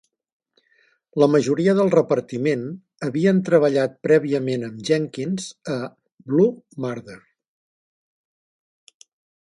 La majoria del repartiment havien treballat prèviament amb Jenkins a "Blue Murder".